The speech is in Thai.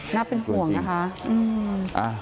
น่าเป็นห่วงนะคะ